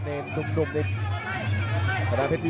สวัสดิ์นุ่มสตึกชัยโลธสวัสดิ์